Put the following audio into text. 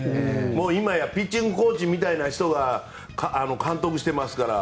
今やピッチングコーチみたいな人が監督してますから。